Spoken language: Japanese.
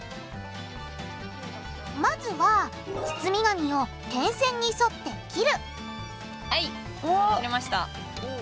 まずは包み紙を点線に沿って切るはい切れました。